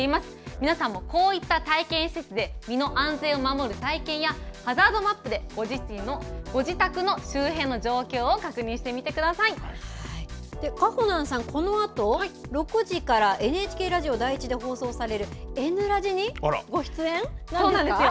皆さんもこういった体験施設で、身の安全を守る体験や、ハザードマップでご自身のご自宅の周辺の状況を確認してみてくだかほなんさん、このあと６時から、ＮＨＫラジオ第１で放送されるＮらじにご出演なんですか。